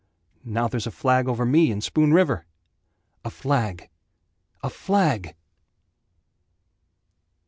Now there's a flag over me in Spoon River. A flag! A flag!